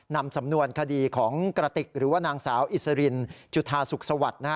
นำสำนวนคดีของกระติกหรือว่านางสาวอิสรินจุธาสุขสวัสดิ์